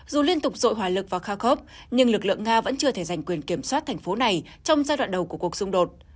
dù liên tục dội hòa lực vào khakhov nhưng lực lượng nga vẫn chưa thể giành quyền kiểm soát thành phố này trong giai đoạn đầu của cuộc xung đột